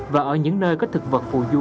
và ở những nơi có thực vật phù du